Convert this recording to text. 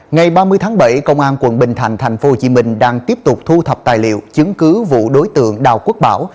ngày ba mươi tháng bảy công an quận bình thạnh tp hcm đang tiếp tục thu thập tài liệu chứng cứ vụ đối tượng đào quốc bảo